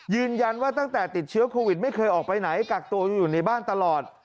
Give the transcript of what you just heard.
ตั้งแต่ติดเชื้อโควิดไม่เคยออกไปไหนกักตัวอยู่ในบ้านตลอด